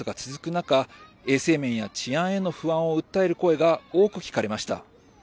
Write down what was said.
中衛生面や治安への不安を訴える声が多く聞かれました。